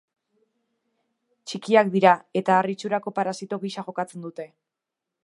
Txikiak dira eta ar itxurako parasito gisa jokatzen dute.